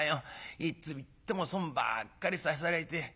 いつ行っても損ばっかりさせられて。